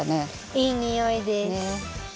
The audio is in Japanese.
いいにおいです。